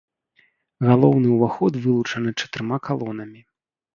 Галоўны ўваход вылучаны чатырма калонамі.